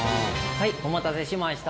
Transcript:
お待たせしました。